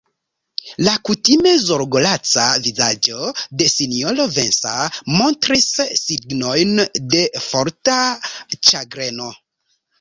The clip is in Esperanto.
La kutime zorgolaca vizaĝo de sinjoro Vincent montris signojn de forta ĉagreno.